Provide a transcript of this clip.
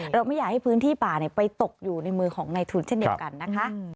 เราไม่อยากให้พื้นที่ป่าไปตกอยู่ในมือของในทุนเช่นเดียวกันนะคะ